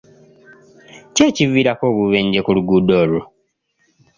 Ki ekiviirako obubenje ku luguudo olwo?